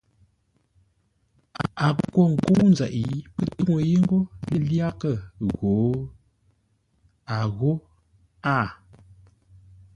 A kwo ńkə́u nzeʼ pə́ tuŋu yé ngô lyaghʼə ghǒ ? a ghó a.